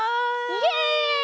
イエイ！